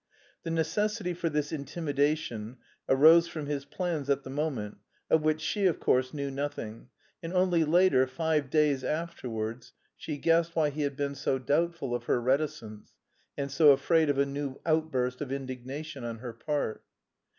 The necessity for this intimidation arose from his plans at the moment, of which she, of course, knew nothing; and only later, five days afterwards, she guessed why he had been so doubtful of her reticence and so afraid of a new outburst of indignation on her part.